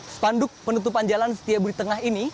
spanduk penutupan jalan setiabudi tengah ini